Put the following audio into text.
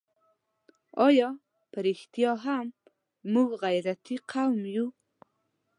آیا په رښتیا هم موږ غیرتي قوم یو؟